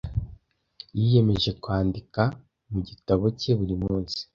Yiyemeje kwandika mu gitabo cye buri munsi.